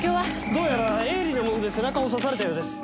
どうやら鋭利なもので背中を刺されたようです。